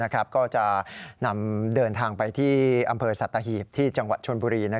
ก็จะนำเดินทางไปที่อำเภอสัตหีบที่จังหวัดชนบุรี